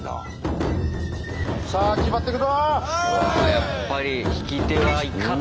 やっぱり曳き手はいかついな。